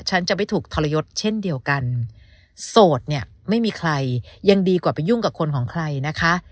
ฉันจะไม่ถูกทรยศเช่นเดียวกันโสดเนี่ยไม่มีใครยังดีกว่าไปยุ่งกับคนของใครนะคะ